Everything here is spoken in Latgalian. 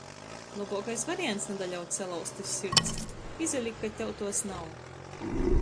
Lobuokais variants nadaļaut salauztys sirds - izalikt, ka tev tuos nav...